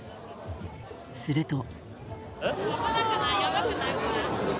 すると。